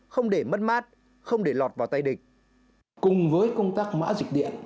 không để mất mát không để lọt vào tay địch